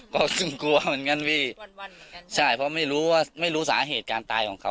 ก็คงกลัวเหมือนกันพี่ใช่เพราะไม่รู้ว่าไม่รู้สาเหตุการตายของเขา